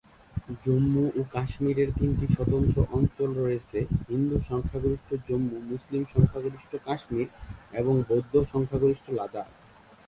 জম্মু ও কাশ্মীরের তিনটি স্বতন্ত্র অঞ্চল রয়েছে: হিন্দু সংখ্যাগরিষ্ঠ জম্মু, মুসলিম সংখ্যাগরিষ্ঠ কাশ্মীর এবং বৌদ্ধ সংখ্যাগরিষ্ঠ লাদাখ।